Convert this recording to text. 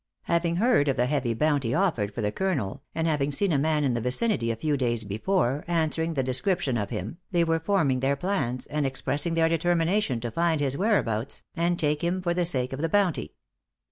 Having heard of the heavy bounty offered for the Colonel, and having seen a man in the vicinity a few days before, answering the description of him, they were forming their plans, and expressing their determination to find his whereabouts, and take him for the sake of the bounty.